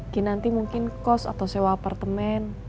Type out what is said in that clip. kinanti mungkin kos atau sewa apartemen